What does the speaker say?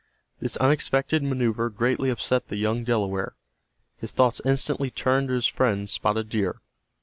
This unexpected maneuver greatly upset the young Delaware. His thoughts instantly turned to his friend, Spotted Deer.